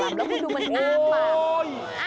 แล้วมึดูมันอ้ากมา